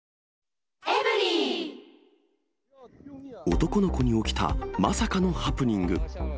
男の子に起きた、まさかのハプニング。